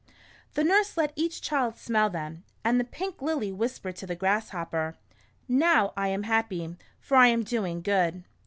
The nurse let each child smell them, and the pink Lily whispered to the Grasshopper, " Xow I am happy, for I am doing good."